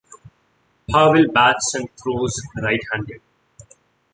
Harville bats and throws right-handed.